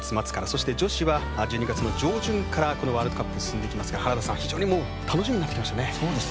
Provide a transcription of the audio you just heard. そして、女子は１２月の上旬からこのワールドカップ進んでいきますが原田さん、非常に楽しみになってきましたね。